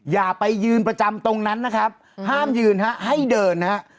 อย่าไปยืนประจำตรงนั้นนะครับห้ามยืนฮะให้เดินนะฮะ